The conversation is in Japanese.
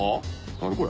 何これ。